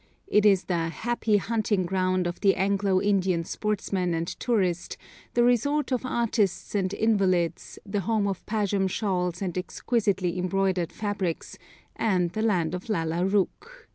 It is the 'happy hunting ground' of the Anglo Indian sportsman and tourist, the resort of artists and invalids, the home of pashm shawls and exquisitely embroidered fabrics, and the land of Lalla Rookh.